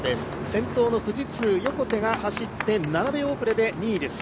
先頭の富士通、横手が走って７秒遅れで２位でＳＵＢＡＲＵです。